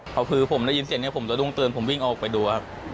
พอคือผมได้ยินเสียงนี้ผมต้องตื่นผมวิ่งออกไปดูครับ